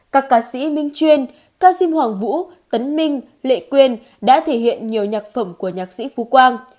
các ca sĩ minh chuyên cao xim hoàng vũ tấn minh lệ quyên đã thể hiện nhiều nhạc phẩm của nhạc sĩ phú quang